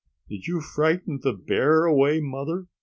"Did you frighten the bear away, Mother?"